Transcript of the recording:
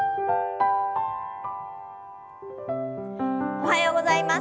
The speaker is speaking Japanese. おはようございます。